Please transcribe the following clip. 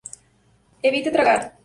Evite tragar.